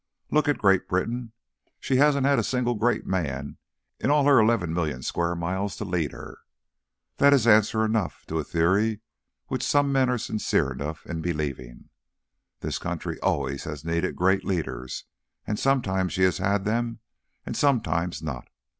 Look at Great Britain. She hasn't a single great man in all her eleven million square miles to lead her. That is answer enough to a theory which some men are sincere enough in believing. This country always has needed great leaders, and sometimes she has had them and sometimes not.